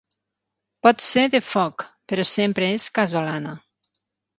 Pot ser de foc, però sempre és casolana.